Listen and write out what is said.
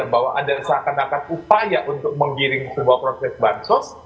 bahwa ada seakan akan upaya untuk menggiring sebuah proses bansos